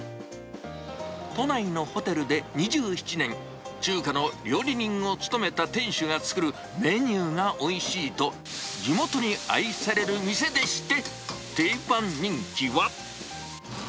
都内のホテルで２７年、中華の料理人を務めた店主が作る、メニューがおいしいと、地元に愛される店でして、定番人気は。